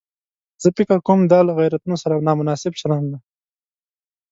زه فکر کوم دا له غیرتونو سره نامناسب چلن دی.